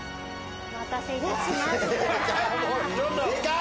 お待たせいたしましたデカい！